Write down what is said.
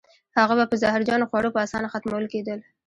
هغوی به په زهرجنو خوړو په اسانه ختمول کېدل.